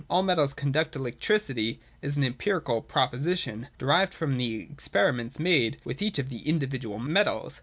' All metals conduct electricity,' is an empirical pro position derived from experiments made with each of the individual metals.